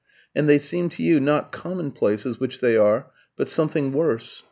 And they seemed to you not commonplaces, which they are but something worse.